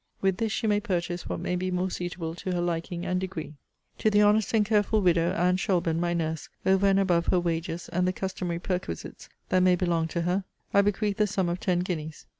With this she may purchase what may be more suitable to her liking and degree. To the honest and careful widow, Anne Shelburne, my nurse, over and above her wages, and the customary perquisites that may belong to her, I bequeath the sum of ten guineas.